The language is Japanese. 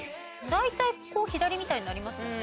大体こう左みたいになりますよね。